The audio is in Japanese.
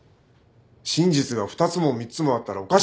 真実が２つも３つもあったらおかしいだろうが。